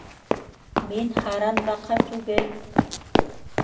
Мин һаран баҡа түге.